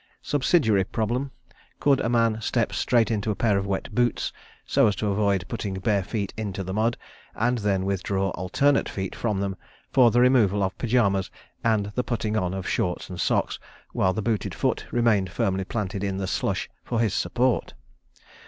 Subsidiary problem: Could a man step straight into a pair of wet boots, so as to avoid putting bare feet into the mud, and then withdraw alternate feet from them, for the removal of pyjamas and the putting on of shorts and socks, while the booted foot remained firmly planted in the slush for his support?